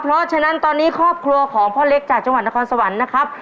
เพราะฉะนั้นตอนนี้ครอบครัวของพ่อเล็กจากจังหวัดนครสวรรค์นะครับ